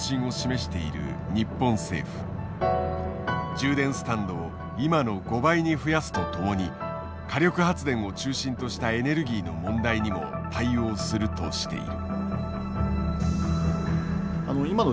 充電スタンドを今の５倍に増やすとともに火力発電を中心としたエネルギーの問題にも対応するとしている。